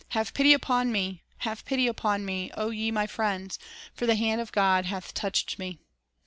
... Have pity upon me, have pity upon me, O ye my friends; For the hand of God hath touched me!